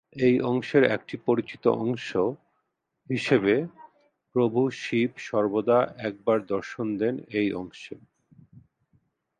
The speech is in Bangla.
এই অংশের একটি পরিচিত অংশ হিসেবে প্রভু শিব সর্বদা একবার দর্শন দেন এই অংশে।